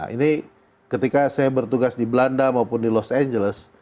ini ketika saya bertugas di belanda maupun di los angeles